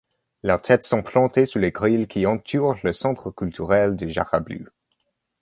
Leurs têtes sont plantées sur les grilles qui entourent le centre culturel de Jarablous.